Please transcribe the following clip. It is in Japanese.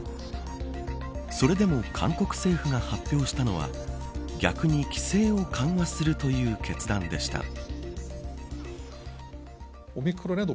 それでも韓国政府が発表したのは逆に、規制を緩和するという決断でした。